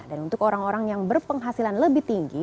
dan untuk orang orang yang berpenghasilan lebih tinggi